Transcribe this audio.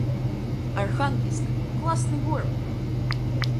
Архангельск — классный город